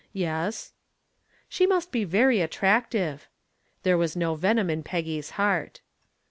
"Yes." "She must be very attractive." There was no venom in Peggy's heart.